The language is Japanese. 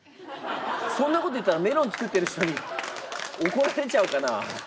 そんな事言ったらメロン作ってる人に怒られちゃうかな。